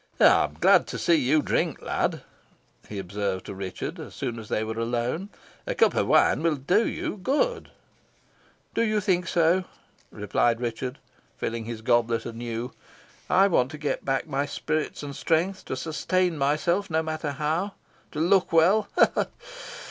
"I am glad to see you drink, lad," he observed to Richard, as soon as they were alone; "a cup of wine will do you good." "Do you think so?" replied Richard, filling his goblet anew. "I want to get back my spirits and strength to sustain myself no matter how to look well ha! ha!